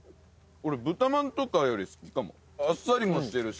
豚まんとかより好きかもあっさりもしてるし。